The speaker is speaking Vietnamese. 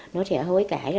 nó sẽ hối cãi